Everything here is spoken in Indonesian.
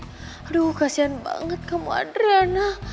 aduh kasihan banget kamu adriana